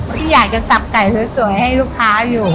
ที่อยากจะสับไก่สวยให้ลูกค้าอยู่